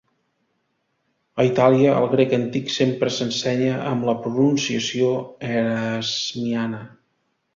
A Itàlia, el grec antic sempre s'ensenya amb la pronunciació Erasmiana.